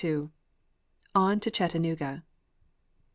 "ON TO CHATTANOOGA."